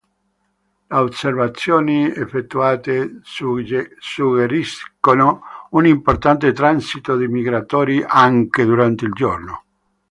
Le osservazioni effettuate suggeriscono un importante transito di migratori anche durante il giorno.